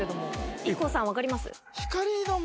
ＩＫＫＯさん分かります？